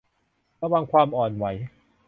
ระวังความอ่อนไหว